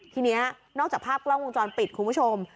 ทีนี้นอกจากภาพกล้องวงจรปิดคุณผู้ชม